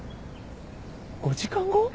５時間後！？